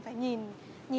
vâng đúng rồi